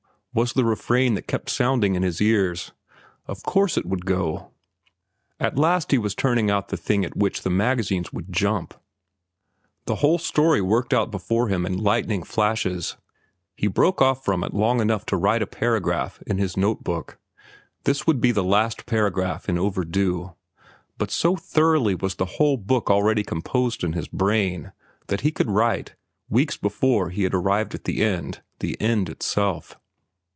was the refrain that kept sounding in his ears. Of course it would go. At last he was turning out the thing at which the magazines would jump. The whole story worked out before him in lightning flashes. He broke off from it long enough to write a paragraph in his note book. This would be the last paragraph in "Overdue"; but so thoroughly was the whole book already composed in his brain that he could write, weeks before he had arrived at the end, the end itself.